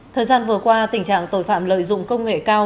thời gian vừa qua tình trạng tội phạm lợi dụng công nghệ cao